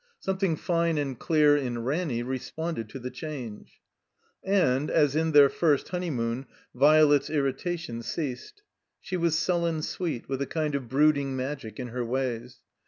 Something fine and dear in Ranny responded to the change. And, as in their first honeymoon, Violet's irrita tion ceased. She was sullen sweet, with a kind of brooding magic in her ways.